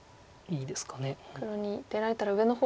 黒に出られたら上の方